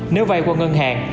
nếu vay qua ngân hàng